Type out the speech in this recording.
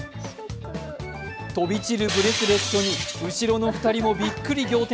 飛び散るブレスレットに後ろの２人もビックリ仰天。